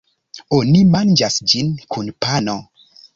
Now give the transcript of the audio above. Oni manĝas ĝin kun pano.